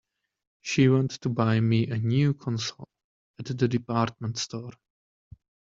She went to buy me a new console at the department store.